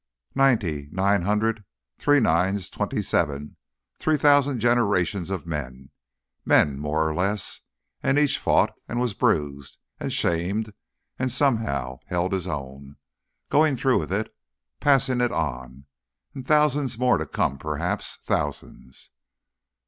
Ninety nine hundred three nines, twenty seven three thousand generations of men! men more or less. And each fought, and was bruised, and shamed, and somehow held his own going through with it passing it on.... And thousands more to come perhaps thousands!